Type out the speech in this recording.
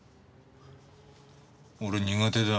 俺苦手だ。